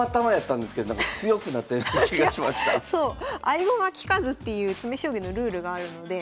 合駒利かずっていう詰将棋のルールがあるので。